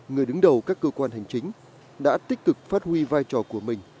người đứng đầu các cơ quan hành chính đã tích cực phát huy vai trò của mình